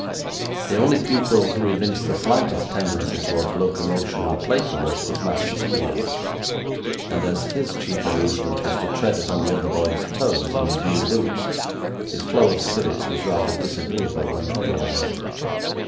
The only pupil who evinced the slightest tendency towards locomotion or playfulness was Master Squeers, and as his chief amusement was to tread upon the other boys' toes in his new boots, his flow of spirits was rather disagreeable than otherwise.